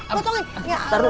om dikin betes yang kuat om dikin